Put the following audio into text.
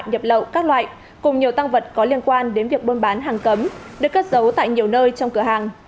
nhập lậu các loại cùng nhiều tăng vật có liên quan đến việc buôn bán hàng cấm được cất giấu tại nhiều nơi trong cửa hàng